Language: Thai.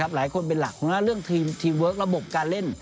หลายคนเป็นหลักเรื่องทีมเวิร์คระบบการเล่น